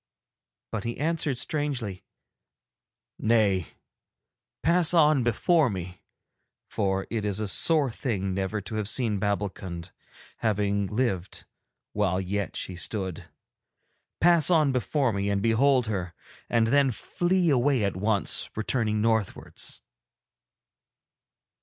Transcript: But he answered strangely: 'Nay, pass on before me, for it is a sore thing never to have seen Babbulkund, having lived while yet she stood. Pass on before me and behold her, and then flee away at once, returning northwards.'